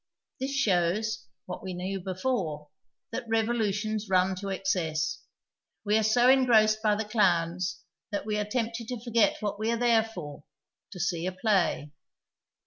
This shows, what we knew before, that revolutions run to excess. We are so engrossed by the clowns that we are temiDted to forget what we are there for, to see a play.